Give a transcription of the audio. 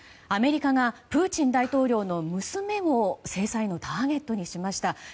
アメリカがプーチン大統領の娘も制裁のターゲットにしました。